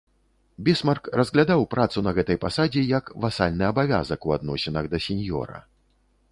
Бісмарк разглядаў працу на гэтай пасадзе як васальны абавязак у адносінах да сеньёра.